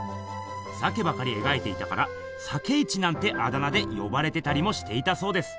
鮭ばかり描いていたから「鮭一」なんてあだ名でよばれてたりもしていたそうです。